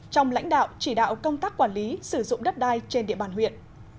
trong lãnh đạo chỉ đạo công tác quản lý sử dụng đất đai trên địa bàn huyện